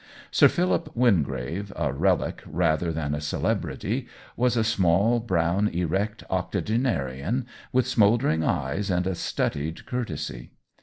Sir Philip Wingrave, a relic rather than a celebrity, was a small, brown, erect octogenarian, with smouldering eyes and a studied courtesy.